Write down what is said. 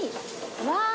わあ。